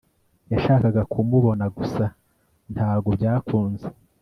yashakaga kumubonagusa ntago byakunze